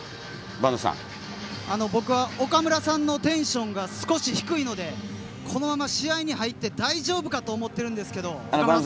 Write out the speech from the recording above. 僕は岡村さんのテンションが少し低いのでこのまま試合に入って大丈夫かと思ってるんですが。